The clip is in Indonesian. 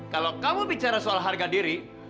kalau kamu bicara soal harga diri